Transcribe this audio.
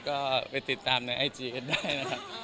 ก็ไปติดตามในไอจีกันได้นะครับ